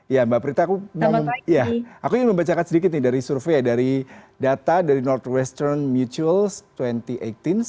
ya mbak prita aku ingin membacakan sedikit dari survei dari data dari northwestern mutuals dua ribu delapan belas